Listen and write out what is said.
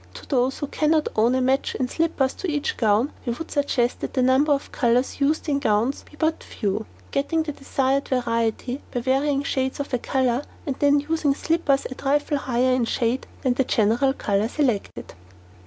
To those who cannot own a match in slippers for each gown, we would suggest that the number of colours used in gowns be but few, getting the desired variety by varying shades of a colour, and then using slippers a trifle higher in shade than the general colour selected.